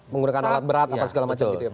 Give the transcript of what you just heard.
menggunakan alat berat apa segala macam gitu ya pak